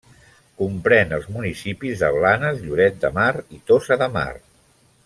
Comprèn els municipis de Blanes, Lloret de Mar i Tossa de Mar.